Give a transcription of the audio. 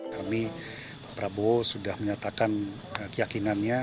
kami prabowo sudah menyatakan keyakinannya